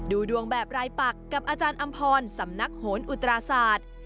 ดูดวงแบบรายปักกับอาจารย์อำพรสำนักโหนอุตราศาสตร์